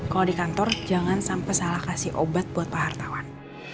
kalau di kantor jangan sampai salah kasih obat buat pak hartawan